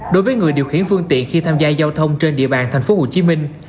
đối với người điều khiển phương tiện khi tham gia giao thông trên địa bàn thành phố hồ chí minh